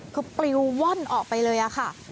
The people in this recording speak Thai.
คือปลิวว่อนออกไปเลยค่ะ